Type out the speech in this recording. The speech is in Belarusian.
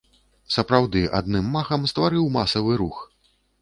Сапраўды, адным махам стварыў масавы рух.